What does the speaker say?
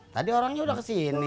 tadi orangnya udah kesini